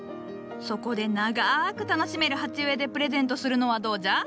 そこで長く楽しめる鉢植えでプレゼントするのはどうじゃ？